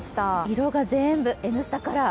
色が全部、「Ｎスタ」カラー。